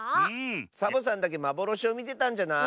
サボさんだけまぼろしをみてたんじゃない？